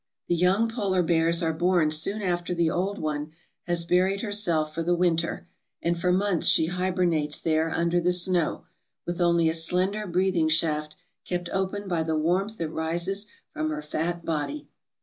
.. The young polar bears are born soon after the old one has buried herself for the winter, and for months she hibernates there under the snow, with only a slender breathing shaft kept open by the warmth that rises from her fat body.